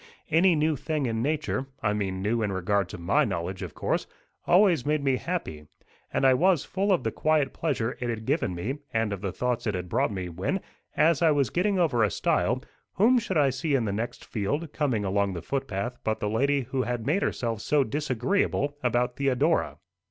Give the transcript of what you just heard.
Any new thing in nature I mean new in regard to my knowledge, of course always made me happy; and I was full of the quiet pleasure it had given me and of the thoughts it had brought me, when, as I was getting over a stile, whom should I see in the next field, coming along the footpath, but the lady who had made herself so disagreeable about Theodora.